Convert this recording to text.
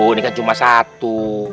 ini kan cuma satu